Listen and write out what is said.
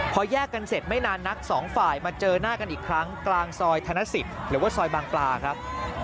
พอแยกกันเสร็จไม่นานนักสองฝ่ายมาเจอหน้ากันอีกครั้งกลางซอยธนสิทธิ์หรือว่าซอยบางปลาครับ